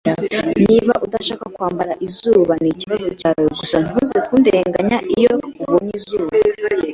Niba udashaka kwambara izuba, nikibazo cyawe. Gusa ntuzaze kundega iyo ubonye izuba.